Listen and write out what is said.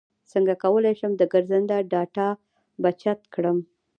څنګه کولی شم د ګرځنده ډاټا بچت کړم